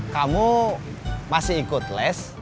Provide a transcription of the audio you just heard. kamu masih ikut les